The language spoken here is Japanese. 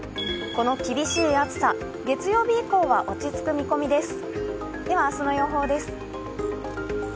この厳しい暑さ、月曜日以降は落ち着く見込みです。